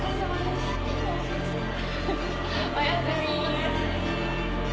おやすみ！